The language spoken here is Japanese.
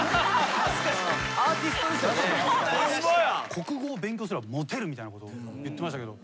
国語を勉強すればモテるみたいなことを言ってましたけど。